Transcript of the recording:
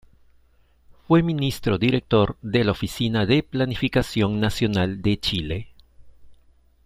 Fue ministro director de la Oficina de Planificación Nacional de Chile.